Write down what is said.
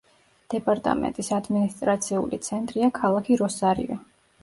დეპარტამენტის ადმინისტრაციული ცენტრია ქალაქი როსარიო.